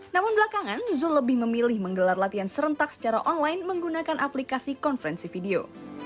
namun belakangan zul lebih memilih menggelar latihan serentak secara online menggunakan aplikasi konferensi video